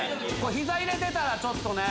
膝入れてたらちょっとね